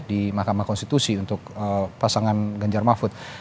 di mahkamah konstitusi untuk pasangan ganjar mahfud